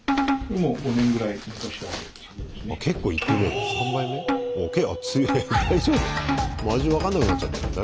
もう味分かんなくなっちゃってない？